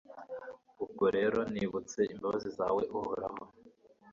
ni bwo rero nibutse imbabazi zawe, uhoraho